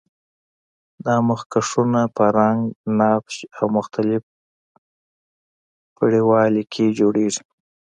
دا مخکشونه په رنګ، نقش او مختلف پرېړوالي کې جوړیږي.